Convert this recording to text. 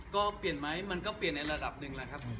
ก็เปลี่ยนไหมมันก็เปลี่ยนในระดับหนึ่ง